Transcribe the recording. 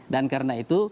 dan karena itu